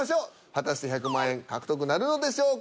果たして１００万円獲得なるのでしょうか。